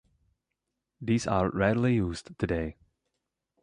These are rarely used today.